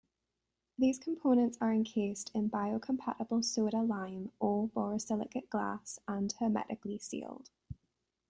These components are encased in biocompatible soda lime or borosilicate glass and hermetically sealed.